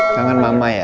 tangan mama ya